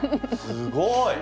すごい！